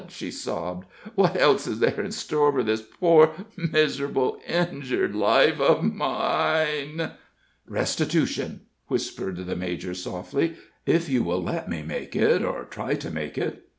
she sobbed, "what else is there in store for this poor, miserable, injured life of mine?" "Restitution," whispered the major softly "if you will let me make it, or try to make it."